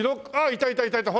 いたいたいたいた。